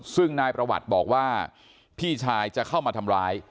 ซึ่งนายประวัติบอกว่าพี่ชายจะเข้ามาทำร้าย